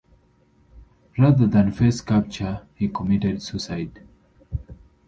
Rather than face capture he committed suicide.